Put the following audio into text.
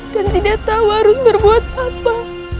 dan tidak tahu harus berbuat apa